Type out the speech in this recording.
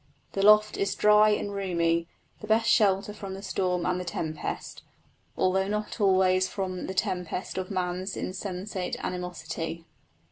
The loft is dry and roomy, the best shelter from the storm and the tempest, although not always from the tempest of man's insensate animosity.